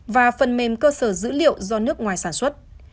và phần mềm cơ sở dữ liệu do nước ngoài sản xuất